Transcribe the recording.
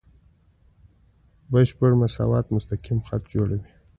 بشپړ مساوات مستقیم خط جوړوي.